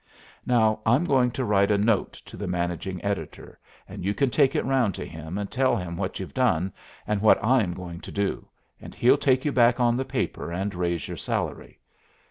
Now, I'm going to write a note to the managing editor, and you can take it around to him and tell him what you've done and what I am going to do, and he'll take you back on the paper and raise your salary.